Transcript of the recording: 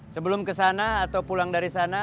sebelum ke sana atau pulang dari sana